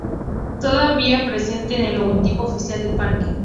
Todavía presente en el logotipo oficial del parque.